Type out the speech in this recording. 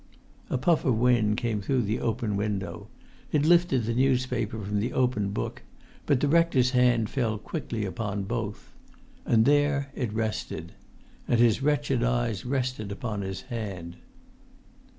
A puff of wind came through the open window. It lifted the newspaper from the open book, but the rector's hand fell quickly upon both. And there it rested. And his wretched eyes rested upon his hand.